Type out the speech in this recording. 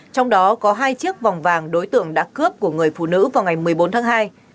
trong đó có hai chiếc vòng vàng đối tượng đã cướp của người phụ nữ vào ngày một mươi bốn tháng hai